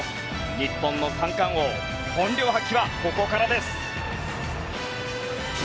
日本の三冠王本領発揮はここからです。